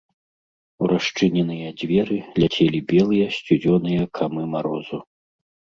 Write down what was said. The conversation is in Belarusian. У расчыненыя дзверы ляцелі белыя сцюдзёныя камы марозу.